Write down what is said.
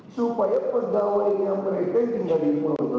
supaya pedawa ini yang mereka tinggal di pulau itu